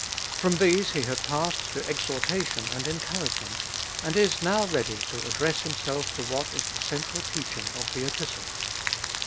From these he had passed to exhortation and encouragement, and is now ready to address himself to what is the central teaching of the Epistle.